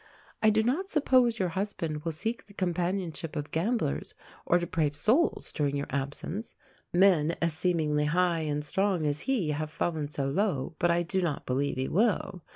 _ I do not suppose your husband will seek the companionship of gamblers or depraved souls during your absence. Men as seemingly high and strong as he have fallen so low, but I do not believe he will.